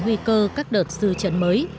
nguy cơ các đợt sư trấn mới